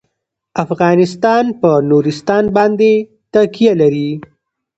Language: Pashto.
افغانستان په نورستان باندې تکیه لري.